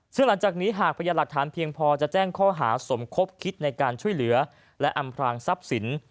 ซึ่งหลังจากนี้หากพยานหลักฐานเพียงพอจะแจ้งข้อหาสมคบคิดในการช่วยเหลือและอำพลางทรัพย์สิน